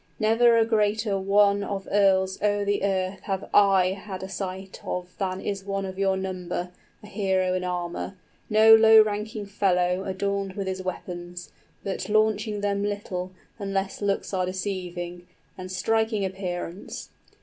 Never a greater one Of earls o'er the earth have I had a sight of 60 Than is one of your number, a hero in armor; No low ranking fellow adorned with his weapons, But launching them little, unless looks are deceiving, And striking appearance.